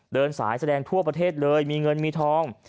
เดินสายแสดงทั่วประเทศเลยมีเงินมีทอง